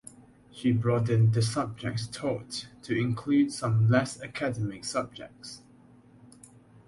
She broadened the subjects taught to include some less academic subjects.